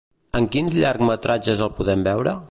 En quins llargmetratges el podem veure?